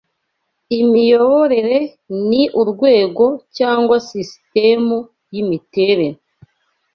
imiyoborere ni urwego cyangwa sisitemu y'imiterere